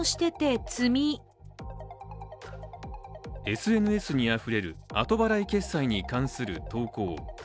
ＳＮＳにあふれる後払い決済に関する投稿。